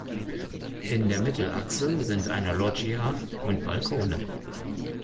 In der Mittelachse sind eine Loggia und Balkone.